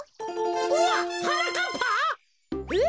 うわっはなかっぱ？え！